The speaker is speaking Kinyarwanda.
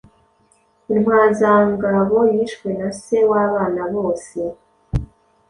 Intwazangabo yishwe na se wabana bose